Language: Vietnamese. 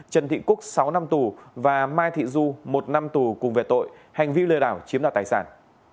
trần thị cúc sáu năm tù và mai thị du một năm tù cùng về tội hành vi lừa đảo chiếm đoạt tài sản